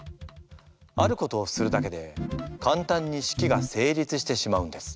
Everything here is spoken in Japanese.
あることをするだけでかんたんに式が成立してしまうんです。